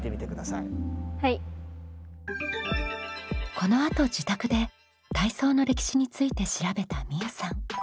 このあと自宅で体操の歴史について調べたみうさん。